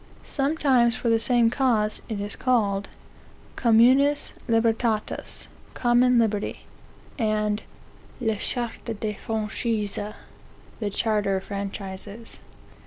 Sometime for the same cause (it is called) communis libertas, (common liberty,) and le chartre des franchises, (the charter of franchises.)